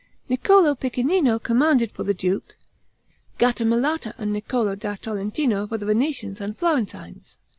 Niccolo Piccinino commanded for the duke, Gattamelata and Niccolo da Tolentino for the Venetians and Florentines.